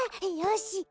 よし！